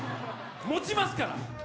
もちますから。